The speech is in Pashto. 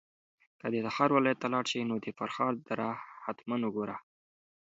که د تخار ولایت ته لاړ شې نو د فرخار دره حتماً وګوره.